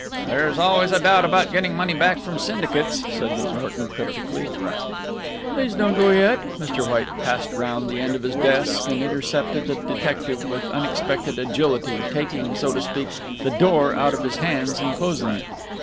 "There is always a doubt about getting money back from syndicates," said McNorton cryptically. "Please don't go yet." Mr. White passed round the end of his desk and intercepted the detective with unexpected agility, taking, so to speak, the door out of his hands and closing it.